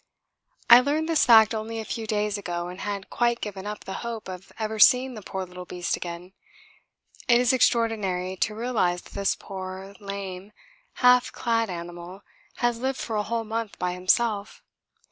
I learned this fact only a few days ago and had quite given up the hope of ever seeing the poor little beast again. It is extraordinary to realise that this poor, lame, half clad animal has lived for a whole month by himself.